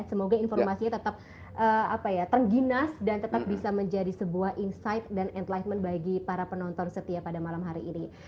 semoga informasinya tetap terginas dan tetap bisa menjadi sebuah insight dan entlightenment bagi para penonton setia pada malam hari ini